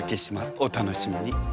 お楽しみに。